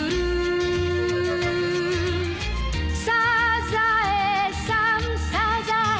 「サザエさんサザエさん」